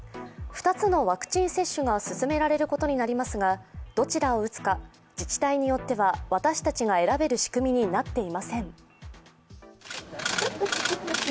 ２つのワクチン接種が進められることになりますが、どちらを打つか自治体によっては私たちが選べる仕組みになっていません。